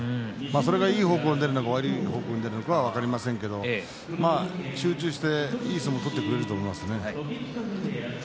それがいい方向に出るのか悪い方向に出るのかは分かりませんけど集中していい相撲を取ってくれると思いますね。